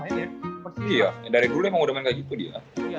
iya dari dulu emang udah main kayak gitu dia